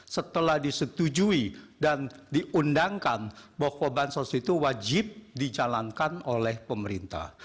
setelah disetujui dan diundangkan bahwa bansos itu wajib dijalankan oleh pemerintah